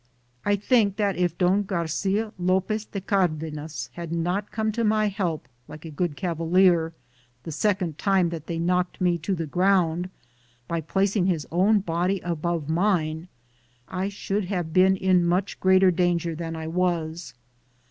I think that if Don Garcia Lopez de Cardenas had not come to my help, like a good cavalier, the second time that am Google THE JOURNEY OP CORONADO they knocked me to the ground, by placing hiB own body above mine, I should have been in much greater danger than I was.